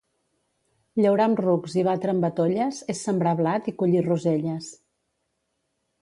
Llaurar amb rucs i batre amb batolles és sembrar blat i collir roselles.